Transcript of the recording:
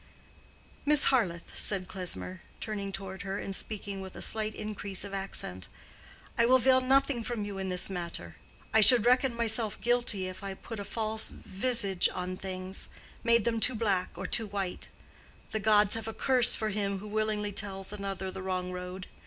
"Miss Harleth," said Klesmer, turning toward her and speaking with a slight increase of accent, "I will veil nothing from you in this matter. I should reckon myself guilty if I put a false visage on things—made them too black or too white. The gods have a curse for him who willingly tells another the wrong road.